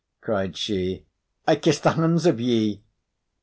cried she. "I kiss the hands of ye!